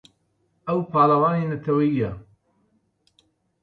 ئەو پاڵەوانی نەتەوەیییە.